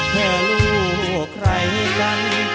เธอลูกใครกัน